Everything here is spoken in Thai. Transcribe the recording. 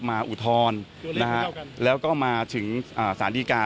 มาอุทธรณ์แล้วก็มาถึงสารดีการ